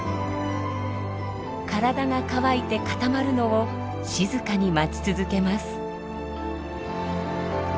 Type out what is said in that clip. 体が乾いて固まるのを静かに待ち続けます。